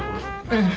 うん。